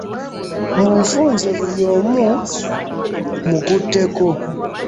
Mu bufunze buli omu mmukutteko.